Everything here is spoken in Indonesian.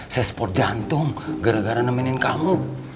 saya spot jantung gara gara nemenin kamu